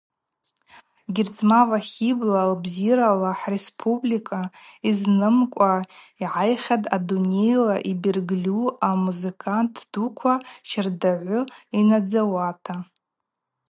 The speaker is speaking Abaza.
Герзмава Хибла лбзирала хӏреспублика йызнымкӏва йгӏайхьатӏ адунейла йбергьльу амузыкант дуква щардагӏвы йнадзауата.